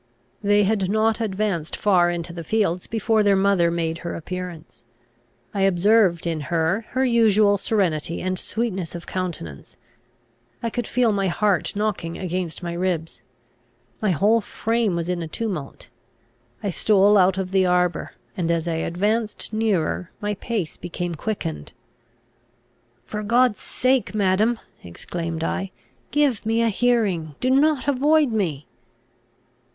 They had not advanced far into the fields, before their mother made her appearance. I observed in her her usual serenity and sweetness of countenance. I could feel my heart knocking against my ribs. My whole frame was in a tumult. I stole out of the arbour; and, as I advanced nearer, my pace became quickened. "For God's sake, madam," exclaimed I, "give me a hearing! Do not avoid me!"